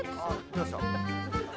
どうした？